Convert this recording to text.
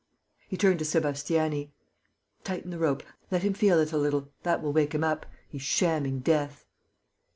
He turned to Sébastiani: "Tighten the rope ... let him feel it a little that will wake him up.... He's shamming death...."